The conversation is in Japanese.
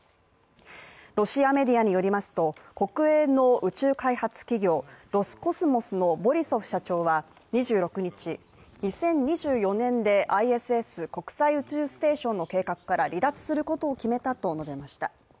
ロシアメディアによりますと、国営の宇宙開発企業ロスコスモスのボリソフ社長は２６日、２０２４年で、ＩＳＳ＝国際宇宙ステーションの計画から離脱することを決めたと述べました。